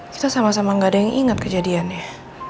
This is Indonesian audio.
kita sama sama gak ada yang ingat kejadiannya